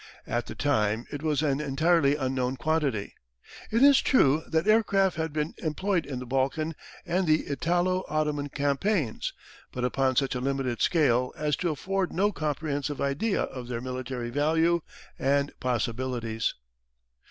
At the time it was an entirely unknown quantity. It is true that aircraft had been employed in the Balkan and the Italo Ottoman campaigns, but upon such a limited scale as to afford no comprehensive idea of their military value and possibilities.